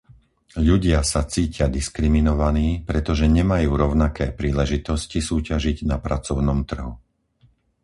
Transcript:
Ľudia sa cítia diskriminovaní, pretože nemajú rovnaké príležitosti súťažiť na pracovnom trhu.